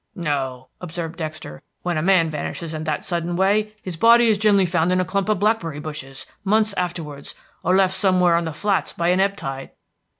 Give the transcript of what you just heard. "No," observed Dexter. "When a man vanishes in that sudden way his body is generally found in a clump of blackberry bushes, months afterwards, or left somewhere on the flats by an ebb tide."